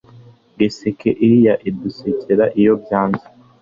giseke iriya idusekera iyo byanze